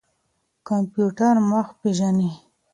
کمپيوټر مخ پېژني.